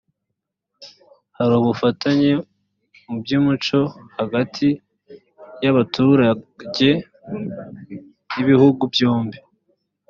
hari ubufatanye mu by’umuco hagati y’abaturage b’ibihugu byombi